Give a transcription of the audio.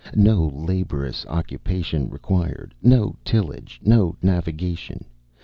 No laborious occupation required: no tillage: no navigation.